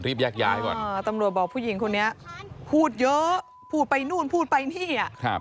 แยกย้ายก่อนตำรวจบอกผู้หญิงคนนี้พูดเยอะพูดไปนู่นพูดไปนี่